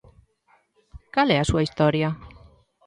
Cal é a súa historia?